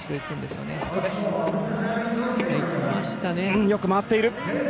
よく回っている。